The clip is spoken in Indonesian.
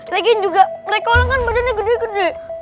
lagian juga mereka lang kan badannya gede gede